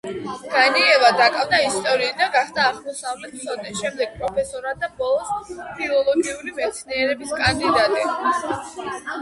განიევა დაკავდა ისტორიით და გახდა აღმოსავლეთმცოდნე, შემდეგ პროფესორად და ბოლოს ფილოლოგიური მეცნიერების კანდიდატი.